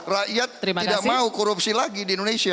rakyat tidak mau korupsi lagi di indonesia